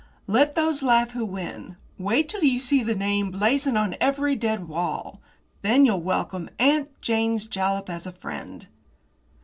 "Let those laugh who win. Wait till you see the name blazoned on every dead wall. Then you'll welcome 'Aunt Jane's Jalap' as a friend."